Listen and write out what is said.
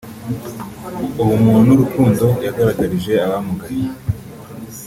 ubumuntu n’urukundo yagaragarije abamugaye